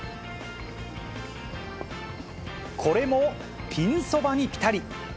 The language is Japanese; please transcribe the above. これもピンそばにぴたり。